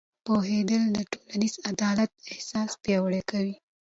پوهېدل د ټولنیز عدالت احساس پیاوړی کوي.